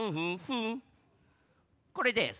これです。